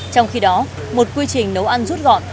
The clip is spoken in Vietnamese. trong khi đó một quy trình nấu ăn rút gọn